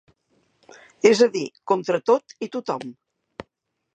És a dir, contra tot i tothom.